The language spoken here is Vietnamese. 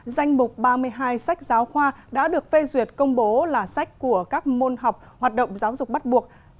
danh mục ba mươi hai sách giáo khoa đã được phê duyệt công bố là sách của các môn học hoạt động giáo dục bắt buộc